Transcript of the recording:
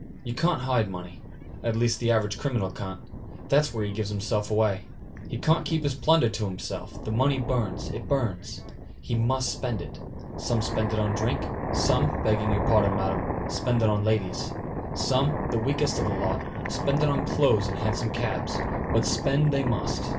You can't hide money at least the average criminal can't. That's where he gives himself away. He can't keep his plunder to himself the money burns it burns he must spend it. Some spend it on drink; some, begging your pardon, Madam spend it on ladies; some, the weakest of the lot, spend it on clothes and hansom cabs; but spend they must.